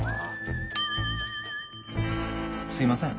すいません。